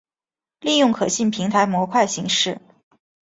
利用可信平台模块形式。